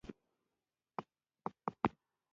په افغانستان کې د مورغاب سیند شتون لري.